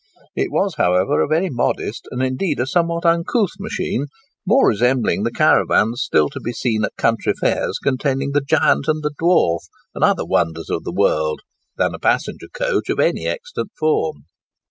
It was, however, a very modest, and indeed a somewhat uncouth machine, more resembling the caravans still to be seen at country fairs containing the "Giant and the Dwarf" and other wonders of the world, than a passenger coach of any extant form.